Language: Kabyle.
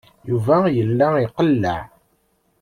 Yuba yella iqelleɛ.